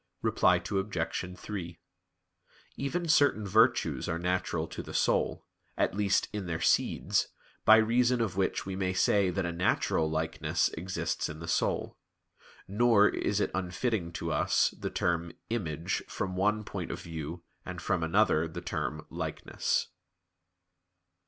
Reply Obj. 3: Even certain virtues are natural to the soul, at least, in their seeds, by reason of which we may say that a natural "likeness" exists in the soul. Nor it is unfitting to us the term "image" from one point of view and from another the term "likeness."